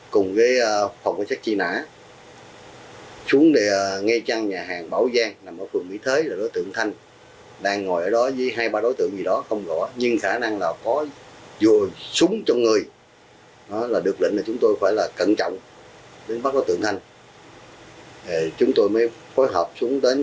các tổ công tác được giao nhiệm vụ trực tiếp xuống nhà hàng bảo giang thuộc phường mỹ thới thành phố long xuyên